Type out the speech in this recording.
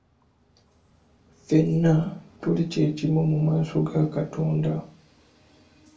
Ffenna tuli kye kimu mu maaso ga Katonda.